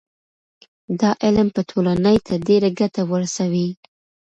دا علم به ټولنې ته ډېره ګټه ورسوي.